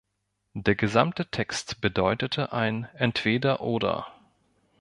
Der gesamte Text bedeutete ein "Entweder Oder" .